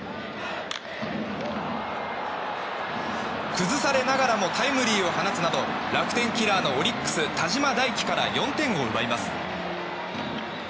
崩されながらもタイムリーを放つなど楽天キラーのオリックス田嶋大樹から４点を奪います。